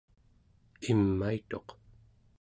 imaituq